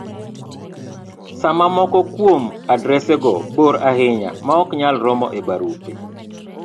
Sama moko kuom adresgo bor ahinya maok nyal romo e barupe